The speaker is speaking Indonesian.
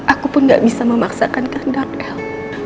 aku pun gak bisa memaksakan kendak el